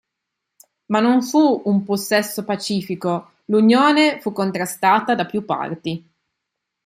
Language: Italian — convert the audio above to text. Ma non fu un possesso pacifico, l'unione fu contrastata da più parti.